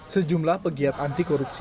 sejumlah pegiat anti korupsi